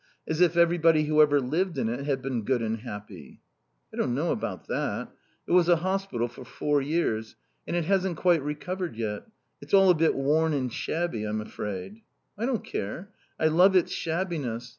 As if everybody who ever lived in it had been good and happy." "I don't know about that. It was a hospital for four years. And it hasn't quite recovered yet. It's all a bit worn and shabby, I'm afraid." "I don't care. I love its shabbiness.